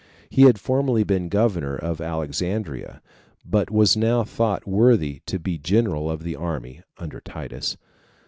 He had formerly been governor of Alexandria, but was now thought worthy to be general of the army [under Titus].